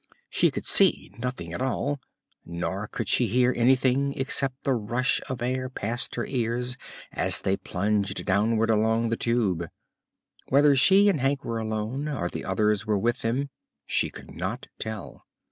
She could see nothing at all, nor could she hear anything except the rush of air past her ears as they plunged downward along the Tube. Whether she and Hank were alone, or the others were with them, she could not tell.